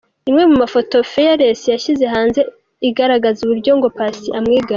Imwe mu mafoto Fearless yashyize hanze igaragaza uburyo ngo Paccy amwigana.